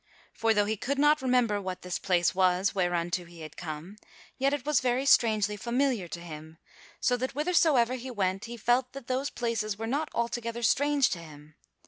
For though he could not remember what this place was whereunto he had come, yet it was very strangely familiar to him, so that whithersoever he went, he felt that those places were not altogether strange to him.